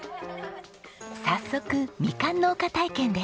早速みかん農家体験です。